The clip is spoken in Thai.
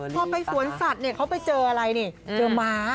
พอไปสวนสัตว์เนี่ยเขาไปเจออะไรนี่เจอม้า